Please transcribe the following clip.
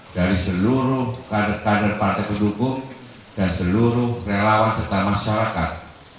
dari seluruh kader kader partai pendukung dan seluruh relawan serta masyarakat